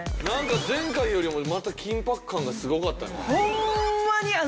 なんか前回よりもまた緊迫感がすごかったね。